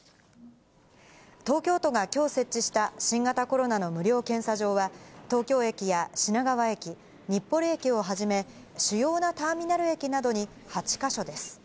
東京都がきょう設置した新型コロナの無料検査場は、東京駅や品川駅、日暮里駅をはじめ、主要なターミナル駅などに、８か所です。